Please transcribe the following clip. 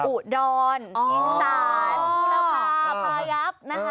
อุดอนอิงสานอุระพาพระยับ